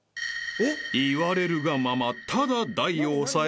［言われるがまま］